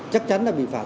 chắc chắn là bị phạt